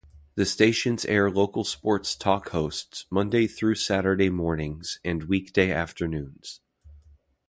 The stations air local sports talk hosts Monday through Saturday mornings and weekday afternoons.